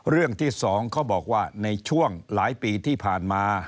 เรื่องที่๒เขาบอกว่าในช่วงหลายปีที่ผ่านมา